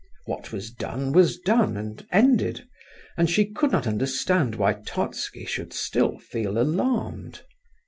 What was done was done and ended, and she could not understand why Totski should still feel alarmed.